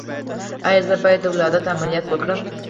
ایا زه باید د ولادت عملیات وکړم؟